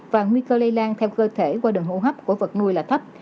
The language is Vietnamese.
và nguy cơ lây lan theo cơ thể qua đường hô hấp của vật nuôi là thấp